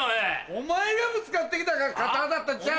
お前がぶつかって来たから肩当たったんちゃう。